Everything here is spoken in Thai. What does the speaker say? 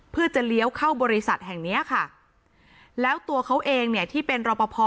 เพื่อจะเลี้ยวเข้าบริษัทแห่งเนี้ยค่ะแล้วตัวเขาเองเนี่ยที่เป็นรอปภ